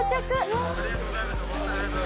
ホントにありがとうございます。